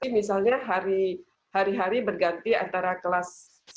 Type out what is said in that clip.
misalnya hari hari berganti antara kelas sepuluh sebelas dua belas